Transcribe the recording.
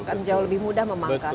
kan jauh lebih mudah memangkas